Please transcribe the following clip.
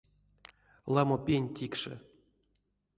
Ламо пень тикше.